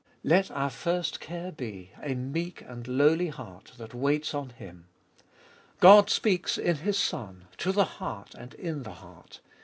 Let our first care be, a meek and lowly heart, that waits on Him. God speaks in His Son, to the heart, and in the heart.